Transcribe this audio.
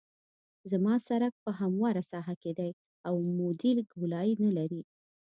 زما سرک په همواره ساحه کې دی او عمودي ګولایي نلري